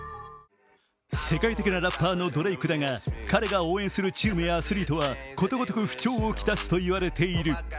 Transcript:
世界的なラッパーのドレイクだが彼が応援するチームやアスリートはことごとく不調を来すといわれている。